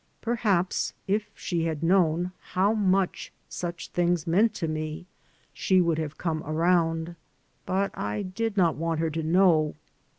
Perhaps if she had known how much such things meant to me she would have come around. But I did not want her to know.